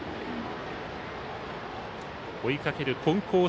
追いかける金光